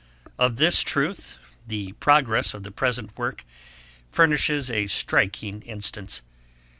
Of this truth, the progress of the present Work furnishes a striking instance.